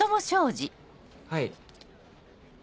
はい。